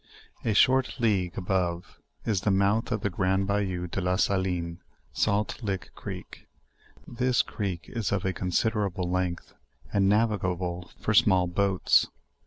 A short league above is the mouth of the grand bayou de la Saline (Salt Lick creek.) This creek is of a considerable length and navigable for small boats.